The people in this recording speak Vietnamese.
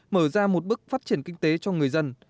mở ra một bước phát triển kinh tế cho người dân